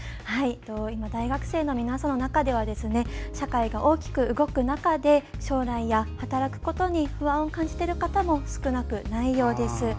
今大学生の皆さんの中では社会が大きく動く中で将来や働くことに不安を感じている方も少なくないようです。